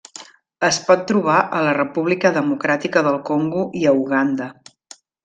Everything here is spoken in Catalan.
Es pot trobar a la República Democràtica del Congo i a Uganda.